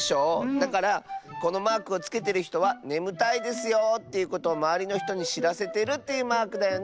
だからこのマークをつけてるひとはねむたいですよということをまわりのひとにしらせてるというマークだよね。